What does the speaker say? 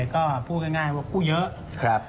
ก็พูดง่ายว่ากู้เยอะ